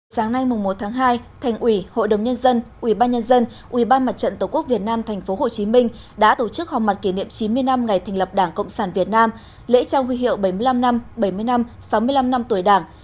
sáng nay một tháng hai thành ủy hội đồng nhân dân ubnd ubnd tổ quốc việt nam tp hcm đã tổ chức họp mặt kỷ niệm chín mươi năm ngày thành lập đảng cộng sản việt nam lễ trao huy hiệu bảy mươi năm năm bảy mươi năm sáu mươi năm năm tuổi đảng